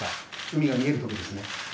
海が見えるところですね。